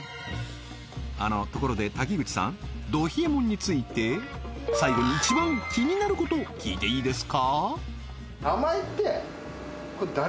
あのところで瀧口さんど冷えもんについて最後に一番気になること聞いていいですか？